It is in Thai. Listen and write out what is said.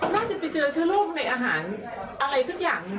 น่าจะไปเจอเชื้อโรคในอาหารอะไรสักอย่างหนึ่ง